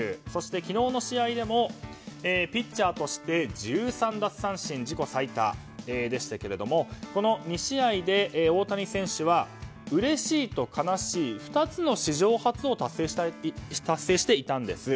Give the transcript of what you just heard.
昨日の試合でもピッチャーとして１３奪三振、自己最多でしたがこの２試合で大谷選手はうれしいと悲しい２つの史上初を達成していたんです。